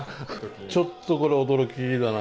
ちょっとこれは驚きだな。